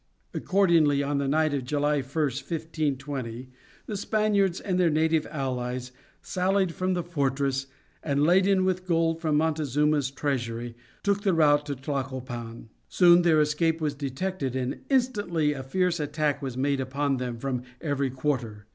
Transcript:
Accordingly on the night of July 1, 1520, the Spaniards and their native allies sallied from the fortress, and laden with gold from Montezuma's treasury, took the route of Tlacopan. Soon their escape was detected and instantly a fierce attack was made upon them from every quarter.